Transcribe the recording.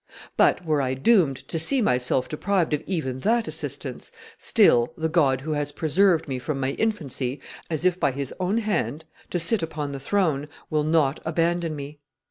But were I doomed to see myself deprived of even that assistance, still the God who has preserved me from my infancy, as if by His own hand, to sit upon the throne, will not abandon me.